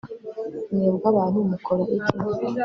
Mwebwe abantu mukora iki